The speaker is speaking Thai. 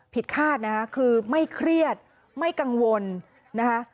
คาดนะคะคือไม่เครียดไม่กังวลนะคะ